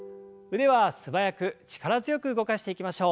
腕は素早く力強く動かしていきましょう。